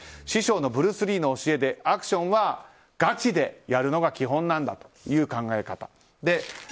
師匠のブルース・リーの教えでアクションはガチでやるのが基本という考え方。